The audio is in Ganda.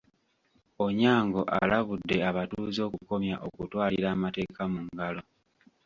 Onyango alabudde abatuuze okukomya okutwalira amateeka mu ngalo.